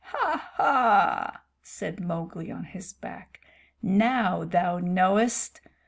"Ha! Ha!" said Mowgli, on his back. "Now thou knowest!"